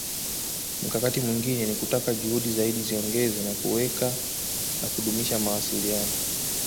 Mkakati mwingine ni kutaka juhudi zaidi ziongezwe za kuweka na kudumisha mawasiliano